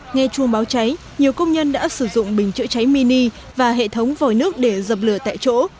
nghe chuông báo cháy nhiều công nhân đã sử dụng bình chữa cháy mini và hệ thống vòi nước để dập lửa tại chỗ